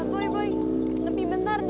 boy boy lebih bentar deh